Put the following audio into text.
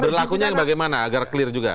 berlakunya yang bagaimana agar clear juga